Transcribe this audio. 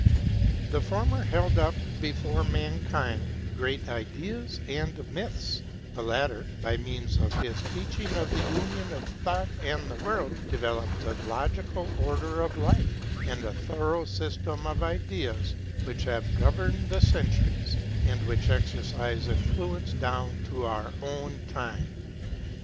The former held up before mankind great ideas and myths ; the latter, by means of his teaching of the union of Thought and the World, developed a logical order of Life and a thorough system of Ideas which have governed the centuries, and which exercise influence down to our own time.